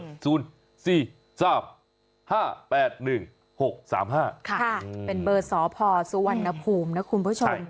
เป็นเบอร์สพสุวรรณภูมินะคุณผู้ชม